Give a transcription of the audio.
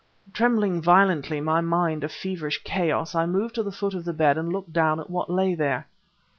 Trembling violently, my mind a feverish chaos, I moved to the foot of the bed and looked down at what lay there.